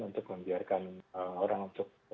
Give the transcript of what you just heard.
untuk membiarkan orang untuk